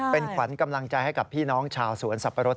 เป็นขวัญกำลังใจให้กับพี่น้องชาวสวนสับปะรด